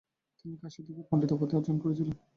তিনি কাশী থেকে "পণ্ডিতা" উপাধি অর্জন করেছিলেন।